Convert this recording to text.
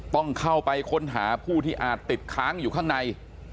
ต้องเข้าไปค้นหาผู้ที่อาจติดค้างอยู่ข้างใน